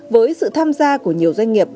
với sự tham gia của nhiều doanh nghiệp